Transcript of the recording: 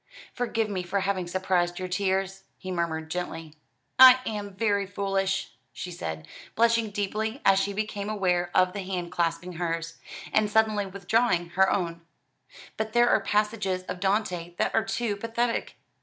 "Forgive me for having surprised your tears," he murmured gently. "I am very foolish," she said, blushing deeply as she became aware of the hand clasping hers, and suddenly withdrawing her own; "but there are passages of Dante that are too pathetic."